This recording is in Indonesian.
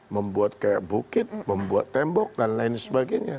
membuat kayak bukit membuat tembok dan lain sebagainya